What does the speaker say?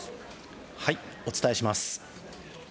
お伝えします。